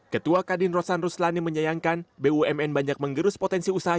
ketua kadin rosan ruslani menyayangkan bumn banyak menggerus potensi usaha